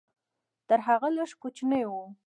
تر هغه لږ کوچنی و.